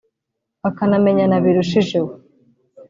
bakanamenyana birushijeho